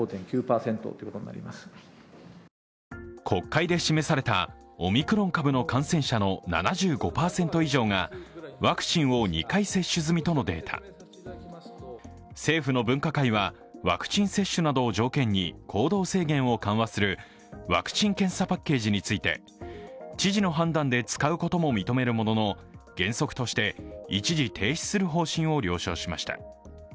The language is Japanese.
国会で示されたオミクロン株の感染者の７５％以上がワクチンを２回接種済みとのデータ政府の分科会はワクチン接種などを条件に行動制限を緩和するワクチン・検査パッケージについて知事の判断で使うことも認めるものの、原則として一時停止する方針を了承しました。